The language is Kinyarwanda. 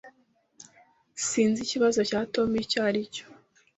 Sinzi ikibazo cya Tom icyo aricyo.